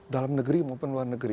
dalam negeri maupun luar negeri